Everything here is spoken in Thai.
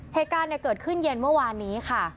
เหตุการณ์เกิดขึ้นเย็นเมื่อวานนี้ค่ะ